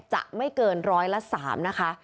จะไม่เกิน๑๐๓นะคะ